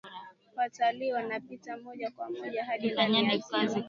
watalii wanapita moja kwa moja hadi ndani ya ziwa